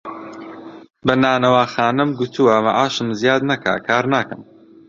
بە نانەواخانەم گوتووە مەعاشم زیاد نەکا کار ناکەم